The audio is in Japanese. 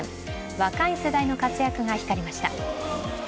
若い世代の活躍が光りました。